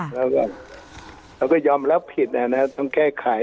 เราก็ยอมรับผิดต้องแก้ไข